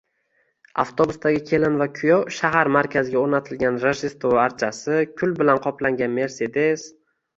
Avtobusdagi kelin va kuyov, shahar markaziga o‘rnatilgan rojdestvo archasi, kul bilan qoplangan Mercedes